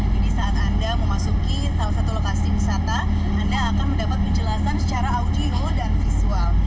jadi saat anda memasuki salah satu lokasi wisata anda akan mendapat penjelasan secara audio dan visual